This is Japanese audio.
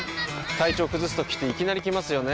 体調崩すときっていきなり来ますよね。